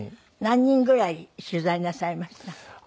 何人ぐらい取材なさいました？